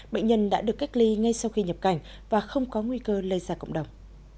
bệnh nhân đã được cách ly ngay sau khi nhập cảnh và không có nguy cơ lây ra cộng đồng